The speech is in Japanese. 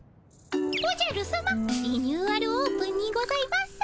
おじゃるさま「リニューアルオープン」にございます。